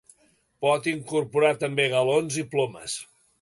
Pot incorporar també galons i plomes.